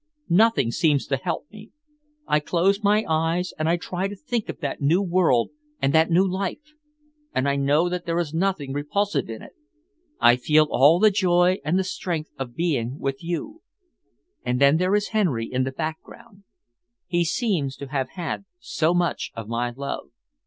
Nothing seems to help me. I close my eyes and I try to think of that new world and that new life, and I know that there is nothing repulsive in it. I feel all the joy and the strength of being with you. And then there is Henry in the background. He seems to have had so much of my love."